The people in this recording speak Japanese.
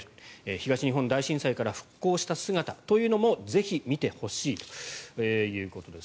東日本大震災から復興した姿というのもぜひ見てほしいということです。